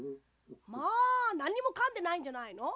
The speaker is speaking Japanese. まあなんにもかんでないんじゃないの？